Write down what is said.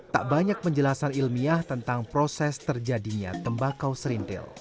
tak banyak penjelasan ilmiah tentang proses terjadinya tembakau serintil